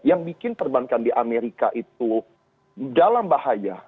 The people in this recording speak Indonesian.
yang bikin perbankan di amerika itu dalam bahaya